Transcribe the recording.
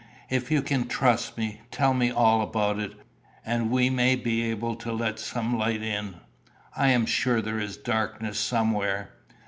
If you can trust me, tell me all about it, and we may be able to let some light in. I am sure there is darkness somewhere."